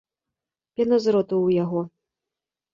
Пена з роту ў яго.